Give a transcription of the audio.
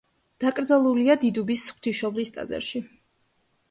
დაკრძალულია დიდუბის ღვთისმშობლის ტაძარში.